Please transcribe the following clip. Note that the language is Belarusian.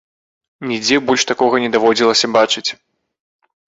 Нідзе больш такога не даводзілася бачыць.